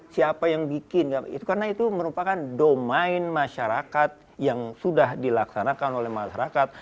siapa yang bikin karena itu merupakan domain masyarakat yang sudah dilaksanakan oleh masyarakat